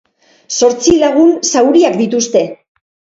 Zortzi lagun zauriak dituzte.